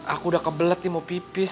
aku udah kebelet nih mau pipis